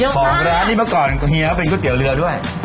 ของร้านนี้เมื่อก่อนเฮียเขาเป็นก๋วยเตี๋ยวเรือด้วย